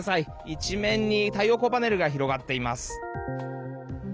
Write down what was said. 一面に太陽光パネルが広がっています。